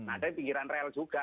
ada di pinggiran rel juga